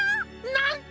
なんと！